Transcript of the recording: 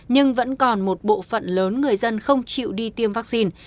nhưng vẫn còn một bộ phận lớn người dân không chịu đi tiêm vaccine